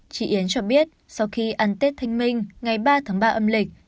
chị yến cho biết sau khi ăn tết thanh minh ngày ba tháng ba âm lịch